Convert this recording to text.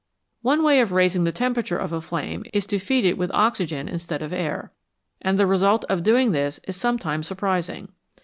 One way of raising the temperature of a flame is to feed it with oxygen instead of air, and the result of doing this is some times surprising.